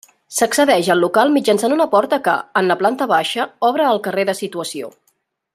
S'accedeix al local mitjançant una porta que, en la planta baixa, obre al carrer de situació.